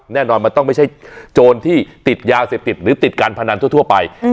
แน่นอนมันต้องไม่ใช่โจรที่ติดยาเสพติดหรือติดการพนันทั่วไป